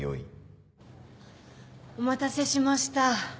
・お待たせしました。